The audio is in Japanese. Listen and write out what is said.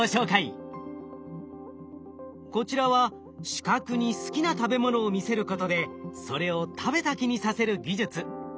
こちらは視覚に好きな食べ物を見せることでそれを食べた気にさせる技術。